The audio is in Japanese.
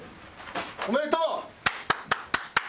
おめでとう！